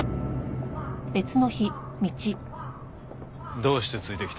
どうしてついてきた？